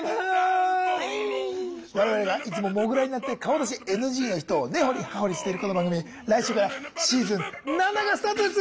我々がいつもモグラになって顔出しＮＧの人をねほりはほりしているこの番組来週からシーズン７がスタートです！